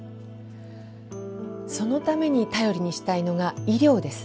そのために頼りにしたいのが医療です。